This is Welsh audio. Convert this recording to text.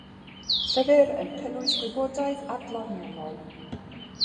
Llyfr yn cynnwys gwybodaeth adloniannol.